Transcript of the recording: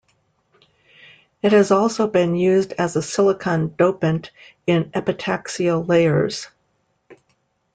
It has also been used as a silicon dopant in epitaxial layers.